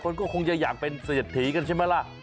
คนก็คงจะอยากเป็นเศรษฐีกันใช่ไหมล่ะ